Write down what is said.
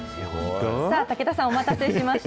さあ、武田さん、お待たせしました。